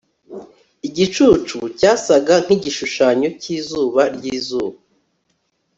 igicucu cyasaga nkigishushanyo cyizuba ryizuba